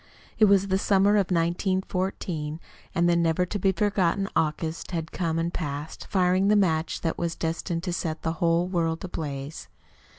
It was the summer of 1914, and the never to be forgotten August had come and passed, firing the match that was destined to set the whole world ablaze.